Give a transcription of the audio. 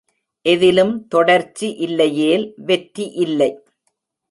எதிலும் தொடர்ச்சி இல்லையேல் வெற்றி இல்லை.